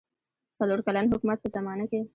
څلور کلن حکومت په زمانه کې.